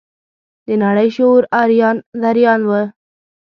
د نړۍ شعور اریان دریان و.